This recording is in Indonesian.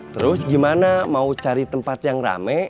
terus gimana mau cari tempat yang rame